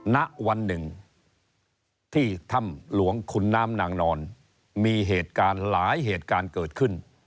ณวันหนึ่งที่ถ้ำหลวงขุนน้ำนางนอนมีเหตุการณ์หลายเหตุการณ์เกิดขึ้น